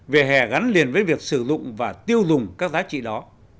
về hè gắn liền với việc sử dụng và tiêu dùng các giá trị đó